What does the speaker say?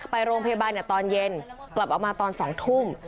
ไปโรงพยาบาลตอนเย็นกลับออกมาตอน๒ทุ่ม